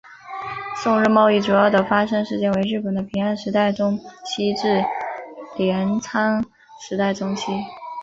宋日贸易主要的发生时间为日本的平安时代中期至镰仓时代中期。